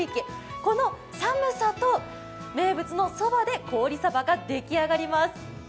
この寒さと名物のそばで凍りそばができ上がります。